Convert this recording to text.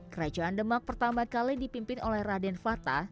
kerajaan demak pertama kali dipimpin oleh raden fata